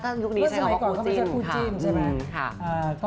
เมื่อไศไจก่อนก็เป็นคู่จริงใช่ไหม